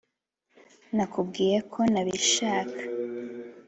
nakubwiye ko ntabishaka.